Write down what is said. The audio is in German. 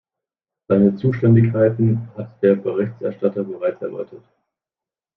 Seine Zuständigkeiten hat der Berichterstatter bereits erläutert.